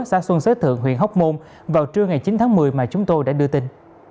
xã xuân xế thượng huyện hóc môn vào trưa ngày chín tháng một mươi mà chúng tôi đã đưa tin